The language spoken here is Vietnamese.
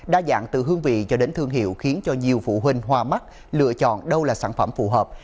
đa dạng từ hương vị cho đến thương hiệu khiến cho nhiều phụ huynh hoa mắt lựa chọn đâu là sản phẩm phù hợp